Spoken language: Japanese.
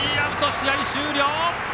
試合終了！